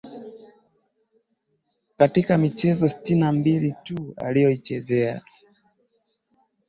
katika michezo tisini na mbili tu aliyoichezea